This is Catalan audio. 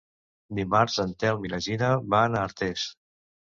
Dimarts en Telm i na Gina van a Artés.